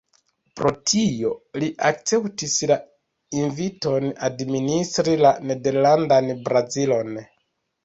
Pro tio, li akceptis la inviton administri la Nederlandan Brazilon.